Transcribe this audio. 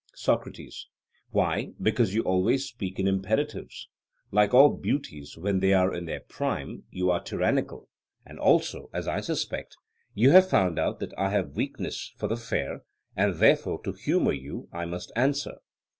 SOCRATES: Why, because you always speak in imperatives: like all beauties when they are in their prime, you are tyrannical; and also, as I suspect, you have found out that I have weakness for the fair, and therefore to humour you I must answer.